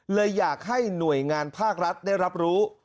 เลยอยากให้หน่วยงานภาครัฐได้รับรู้